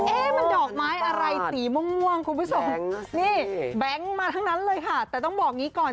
เอ๊ะมันดอกไม้อะไรสีม่วงคุณผู้ชมนี่แบงค์มาทั้งนั้นเลยค่ะแต่ต้องบอกอย่างนี้ก่อน